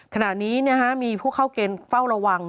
ขณะนี้มีผู้เข้าเกณฑ์เฝ้าระวัง